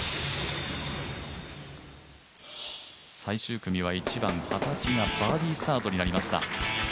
最終組は１番、幡地がバーディースタートとなりました。